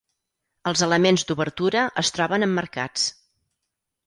Els elements d'obertura es troben emmarcats.